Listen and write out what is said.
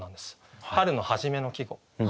春の初めの季語。